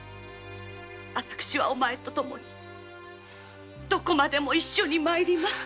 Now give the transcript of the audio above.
わたしはお前と共にどこまでも一緒に参ります。